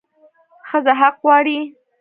ښځه حق غواړي